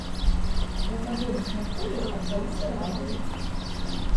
З алкагольных напояў аддаю перавагу віскі.